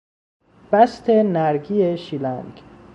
بست نرگی شیلنگ